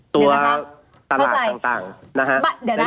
ตัวตลาดต่างนะฮะเดี๋ยวนะ